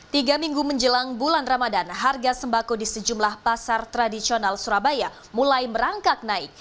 tiga minggu menjelang bulan ramadan harga sembako di sejumlah pasar tradisional surabaya mulai merangkak naik